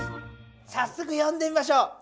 さっそくよんでみましょう。